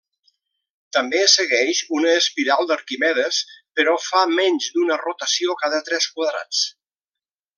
També segueix una espiral d'Arquimedes, però fa menys d'una rotació cada tres quadrats.